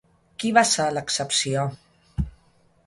Qui va ser l'excepció?